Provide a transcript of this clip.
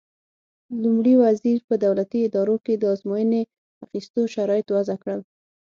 لومړي وزیر په دولتي ادارو کې د ازموینې اخیستو شرایط وضع کړل.